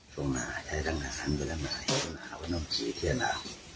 โชว์น่ะแค่ตั้ง๓เดือนไหมโชว์น่ะวันนั้นกี่เท่าน่ะ